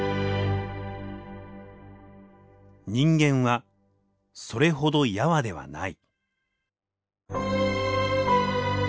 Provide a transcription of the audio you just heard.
「人間はそれほど柔ではない」。